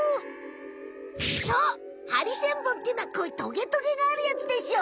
ハリセンボンっていうのはこういうトゲトゲがあるヤツでしょ！